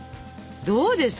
どうですか？